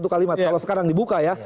kalau sekarang dibuka ya